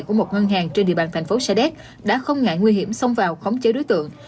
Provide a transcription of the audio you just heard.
của một ngân hàng trên địa bàn thành phố sa đéc đã không ngại nguy hiểm xông vào khống chế đối tượng